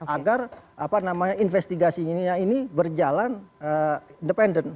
agar apa namanya investigasinya ini berjalan independen